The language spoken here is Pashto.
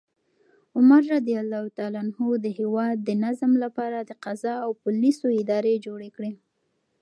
عمر رض د هیواد د نظم لپاره د قضا او پولیسو ادارې جوړې کړې.